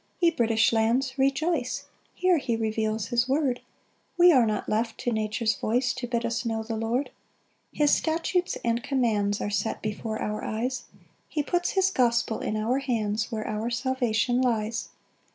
4 Ye British lands, rejoice, Here he reveals his word, We are not left to nature's voice To bid us know the Lord. 5 His statutes and commands Are set before our eyes; He puts his gospel in our hands, Where our salvation lies.